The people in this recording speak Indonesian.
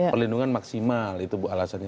perlindungan maksimal itu bu alasannya